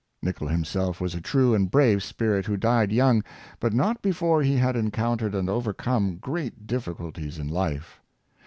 " Nicoll himself was a true and brave spirit, who died young, but not before he had en countered and overcome great difficulties in life.